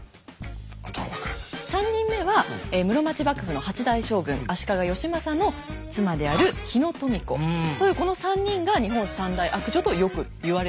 ３人目は室町幕府の８代将軍足利義政の妻である日野富子というこの３人が「日本三大悪女」とよく言われているんです。